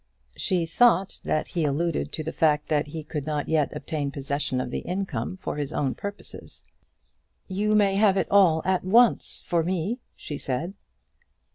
She thought that he alluded to the fact that he could not yet obtain possession of the income for his own purposes. "You may have it all at once, for me," she said.